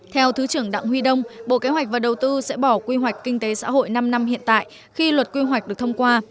theo thứ trưởng đặng huy đông bộ kế hoạch và đầu tư sẽ bỏ quy hoạch kinh tế xã hội năm năm hiện tại khi luật quy hoạch được thông qua